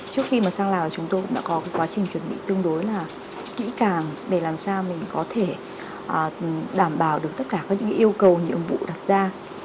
trước khi sang lào chúng tôi đã có quá trình chuẩn bị tương đối kỹ càng để làm sao mình có thể đảm bảo được tất cả những yêu cầu nhiệm vụ đặt ra